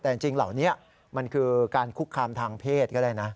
แต่จริงเหล่านี้มันคือการคุกคามทางเพศก็ได้นะ